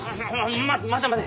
ま待て待て。